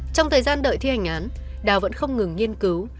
trong thời gian đợi thi hành án đào vẫn không ngừng nghiên cứu